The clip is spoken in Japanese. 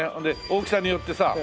で大きさによってさ。